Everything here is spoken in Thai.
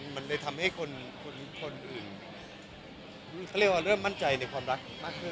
มันเลยทำให้คนอื่นเริ่มมั่นใจในความรักมากขึ้น